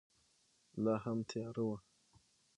لا هم تیاره وه.